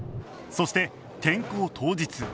そして転校当日